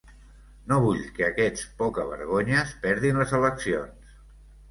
No vull que aquests pocavergonyes perdin les eleccions.